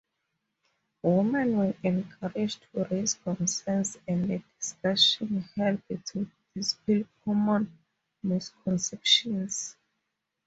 Women were encouraged to raise concerns and the discussions helped to dispel common misconceptions.